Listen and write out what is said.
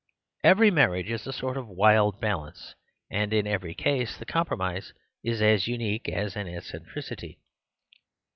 Every marriage is a sort of wild balance; and in every case the compromise is as unique as an eccentricity.